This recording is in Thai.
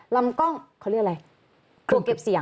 ลำกล้องเขาเรียกอะไร